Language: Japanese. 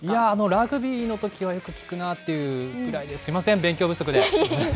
ラグビーのときはよく聞くなあというぐらいで、すみません、いえいえ。